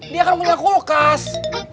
dia kan punya kulkas